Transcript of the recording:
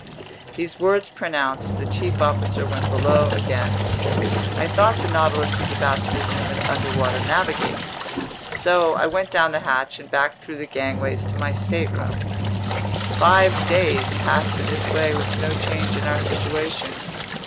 These words pronounced, the chief officer went below again. I thought the Nautilus was about to resume its underwater navigating. So I went down the hatch and back through the gangways to my stateroom. Five days passed in this way with no change in our situation.